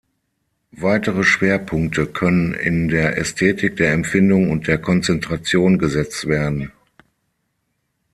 Weitere Schwerpunkte können in der Ästhetik, der Empfindung und der Konzentration gesetzt werden.